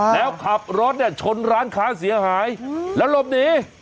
แล้วขับรถเนี่ยชนร้านค้าเสียหายแล้วหลบหนี